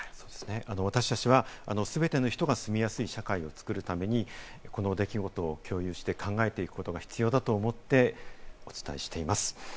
私達は全ての人が住みやすい社会をつくるためにこの出来事を共有して考えていくことが必要だと思ってお伝えしています。